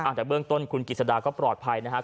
แต่เบื้องต้นคุณกิจสดาก็ปลอดภัยนะครับ